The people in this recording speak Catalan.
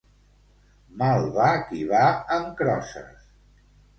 Mal va qui va amb crosses.